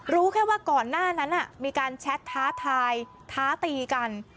รู้แค่ว่าก่อนหน้านั้นมีการแชทท้าทายท้าตีกัน